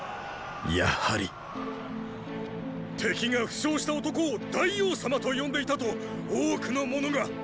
やはり敵が負傷した男を「大王様」と呼んでいたと多くの者が！